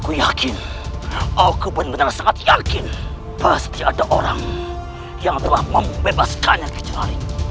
aku yakin aku benar benar sangat yakin pasti ada orang yang telah membebaskannya kecuali